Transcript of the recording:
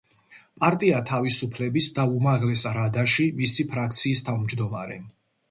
პარტია „თავისუფლების“ და უმაღლეს რადაში მისი ფრაქციის თავმჯდომარე.